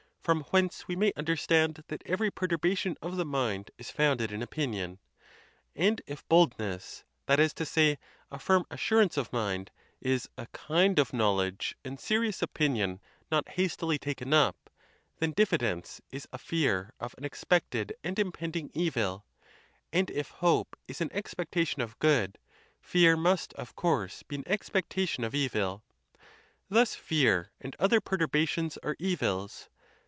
from whence we may understand that every perturbation of the mind is founded in opinion. And if boldness—that is to say, a firm assurance of mind—is a kind of knowledge and serious opinion not hastily taken up, then diffidence is a fear of an expected and impending evil; and if hope is an expectation of good, fear must, of course, be an ex pectation of evil. Thus fear and other perturbations are evils.